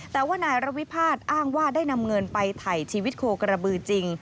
แต่ว่านายระวิพาทอ้างว่าได้นำเงินไปถ่ายชีวิตโคกระบือจริง